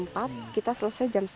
tapi tentu kita ada tiga kali istirahat